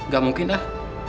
gak mungkin lah